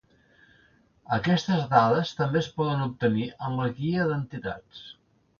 Aquestes dades també es poden obtenir en la Guia d'Entitats.